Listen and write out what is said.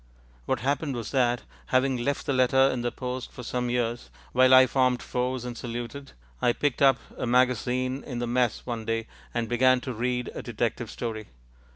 What happened was that, having left the letter in the post for some years while I formed fours and saluted, I picked up a magazine in the Mess one day and began to read a detective story.